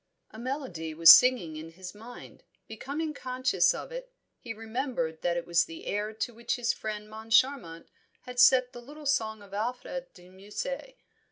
A melody was singing in his mind; becoming conscious of it, he remembered that it was the air to which his friend Moncharmont had set the little song of Alfred de Musset.